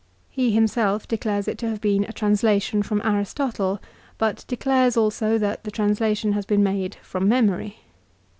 He himself declares it to have been a translation from Aristotle, but declares also that the translation has been made from memory.